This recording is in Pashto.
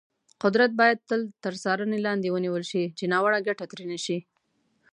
قدرت باید تل تر څارنې لاندې ونیول شي، چې ناوړه ګټه ترې نه شي.